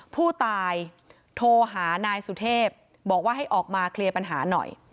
ผู้ตายโทรหานายสุเทพบอกว่าให้ออกมาเคลียร์ปัญหาหน่อย